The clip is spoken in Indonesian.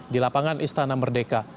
di lapangan istana merdeka